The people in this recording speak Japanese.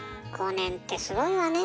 ５年ってすごいわね。